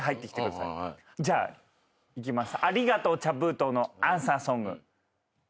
じゃあいきます。